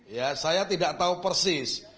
ya saya tidak tahu persis